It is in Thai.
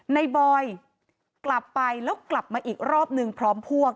บอยกลับไปแล้วกลับมาอีกรอบนึงพร้อมพวก